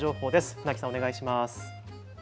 船木さんお願いします。